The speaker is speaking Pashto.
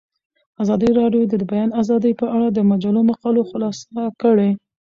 ازادي راډیو د د بیان آزادي په اړه د مجلو مقالو خلاصه کړې.